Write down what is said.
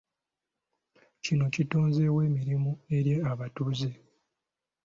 Kino kitonzeewo emirimu eri abatuuze.